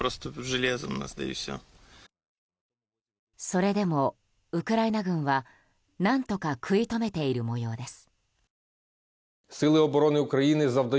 それでもウクライナ軍は何とか食い止めている模様です。